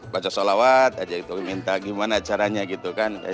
baca solawat aja itu minta gimana caranya gitu kan